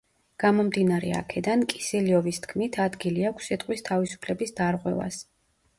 გამომდინარე აქედან, კისილიოვის თქმით, ადგილი აქვს სიტყვის თავისუფლების დარღვევას.